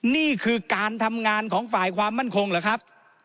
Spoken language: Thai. นี่คือการทำงานของฝ่ายความมั่นคงเหรอครับ